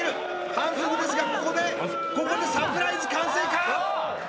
反則ですがここでここでサプライズ完成か？